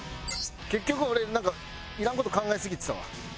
結局俺なんかいらん事考えすぎてたわ。